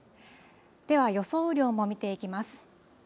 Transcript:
では予想雨量も見ていきます。